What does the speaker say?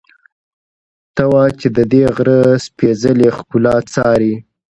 ته وا چې ددې غره سپېڅلې ښکلا څاري.